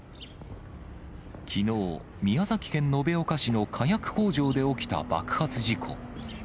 きのう、宮崎県延岡市の火薬工場で起きた爆発事故。